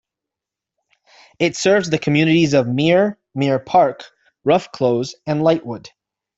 It serves the communities of Meir, Meir Park, Rough Close and Lightwood.